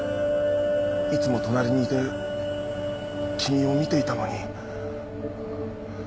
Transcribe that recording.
いつも隣にいて君を見ていたのに。